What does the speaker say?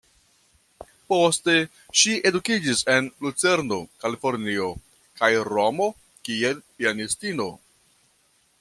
Poste ŝi edukiĝis en Lucerno, Kalifornio kaj Romo kiel pianistino.